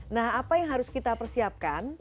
nah apa yang harus kita persiapkan